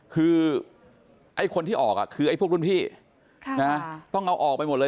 คือไอ้คนที่ออกคือไอ้พวกรุ่นพี่ต้องเอาออกไปหมดเลย